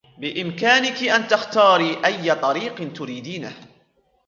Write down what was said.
بإمكانكِ أن تختارين أيّ طريق تريدينه.